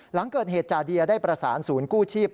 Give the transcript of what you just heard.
หลังเกิดเหตุจาเดียได้ประสานศูนย์กู้ชีพ